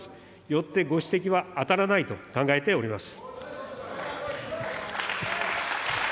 よってご指摘は当たらないと考えております。